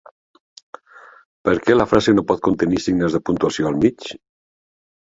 Per què la frase no pot contenir signes de puntuació al mig?